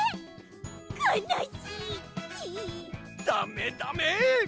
だめだめ！